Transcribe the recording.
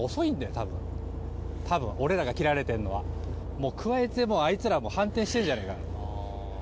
たぶん俺らが切られてるのはもうくわえてもうあいつらもう反転してんじゃねぇかな